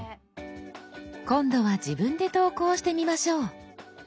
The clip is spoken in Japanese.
今度は自分で投稿してみましょう。